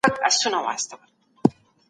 ټول تولیدي عوامل سمدستي په کار واچوئ.